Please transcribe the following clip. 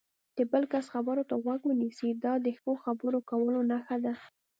د بل کس خبرو ته غوږ ونیسئ، دا د ښه خبرو کولو نښه ده.